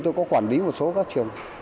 tôi có quản lý một số các trường